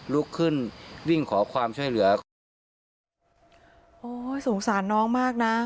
ลุกขึ้นวิ่งขอความช่วยเหลือโอ้ยสงสารน้องมากน่ะ